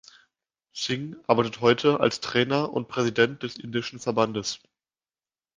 Singh arbeitet heute als Trainer und Präsident des indischen Verbandes.